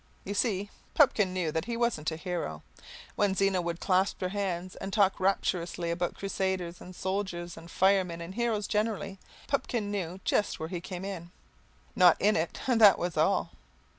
You see, Pupkin knew that he wasn't a hero. When Zena would clasp her hands and talk rapturously about crusaders and soldiers and firemen and heroes generally, Pupkin knew just where he came in. Not in it, that was all.